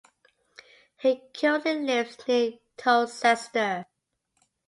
He currently lives near Towcester.